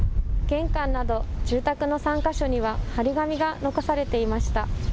玄関など住宅の３か所には貼り紙が残されていました。